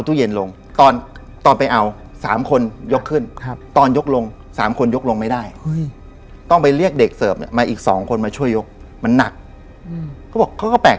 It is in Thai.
เซิร์บเนี่ยใหม่อีก๒คนมาช่วยยกมันหนักก็บอกก็แปลก